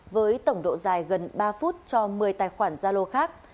với tổng độ dài gần ba phút cho một mươi tài khoản gia lô khác